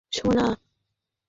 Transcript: সে আমাকে বলেনি, সোনা।